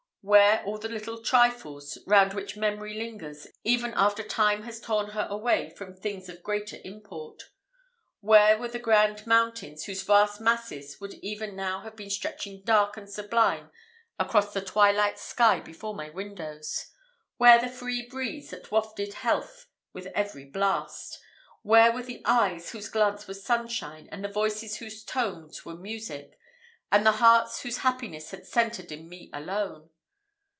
where all the little trifles, round which memory lingers, even after time has torn her away from things of greater import? where were the grand mountains whose vast masses would even now have been stretching dark and sublime across the twilight sky before my windows? where the free breeze that wafted health with every blast? where were the eyes whose glance was sunshine, and the voices whose tones were music, and the hearts whose happiness had centred in me alone?